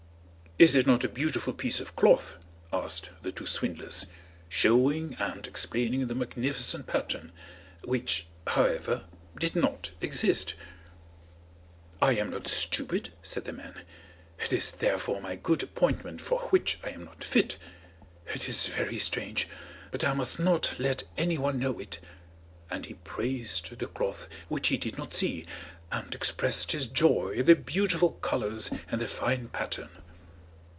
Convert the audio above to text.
"Is it not a beautiful piece of cloth?" asked the two swindlers, showing and explaining the magnificent pattern, which, however, did not exist. "I am not stupid," said the man. "It is therefore my good appointment for which I am not fit. It is very strange, but I must not let any one know it;" and he praised the cloth, which he did not see, and expressed his joy at the beautiful colours and the fine pattern.